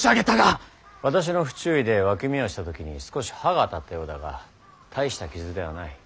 私の不注意で脇目をした時に少し刃が当たったようだが大した傷ではない。